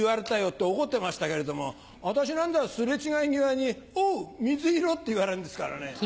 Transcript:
って怒ってましたけれども私なんざ擦れ違い際に「おう水色」って言われるんですからね。